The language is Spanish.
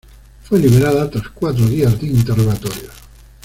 Fue liberada tras cuatro días de interrogatorios.